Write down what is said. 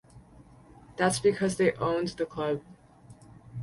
That's because they owned the club.